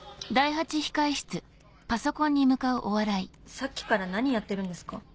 さっきから何やってるんですか？